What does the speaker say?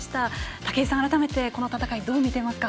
武井さん、改めてこの戦いどう見てますか？